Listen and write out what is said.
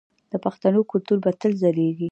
د پښتنو کلتور به تل ځلیږي.